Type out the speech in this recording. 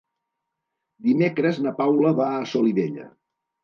Dimecres na Paula va a Solivella.